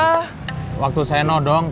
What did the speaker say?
nggak ada yang nge subscribe